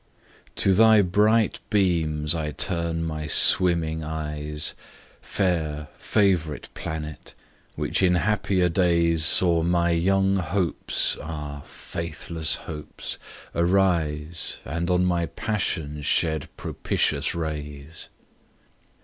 TO thy bright beams I turn my swimming eyes, Fair, favourite planet, which in happier days Saw my young hopes, ah, faithless hopes! arise, And on my passion shed propitious rays.